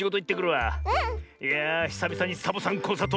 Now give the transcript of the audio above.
いやあひさびさにサボさんコンサート